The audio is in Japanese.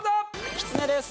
きつねです。